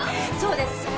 そうです。